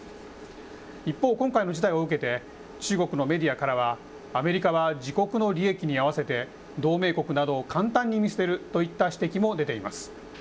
一方、今回の事態を受けて、中国のメディアからは、アメリカは自国の利益にあわせて、同盟国などを簡単に見捨てるといった指摘も出ています。